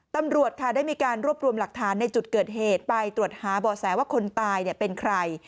ตำรวจค่ะได้มีการรวบรวมหลักฐานในจุดเกิดเหตุไปตรวจหาบ่อแสว่าคนตายเป็นใคร